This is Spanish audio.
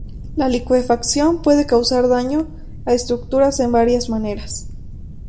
La licuefacción puede causar daño a estructuras en varias maneras.